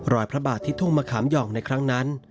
พระบาทที่ทุ่งมะขามหย่องในครั้งนั้น